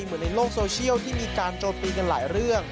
เหมือนในโลกโซเชียลที่มีการโจมตีกันหลายเรื่อง